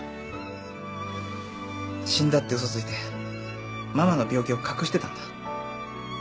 死んだって嘘ついてママの病気を隠してたんだ。